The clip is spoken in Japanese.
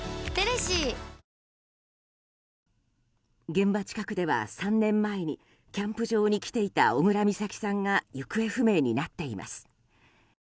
現場近くでは３年前にキャンプ場に来ていた小倉美咲さんが行方不明になっています。